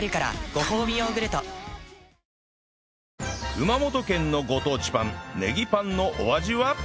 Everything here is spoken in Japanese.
熊本県のご当地パンネギパンのお味は？